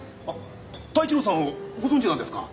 太一郎さんをご存じなんですか？